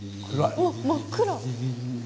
おっ真っ暗！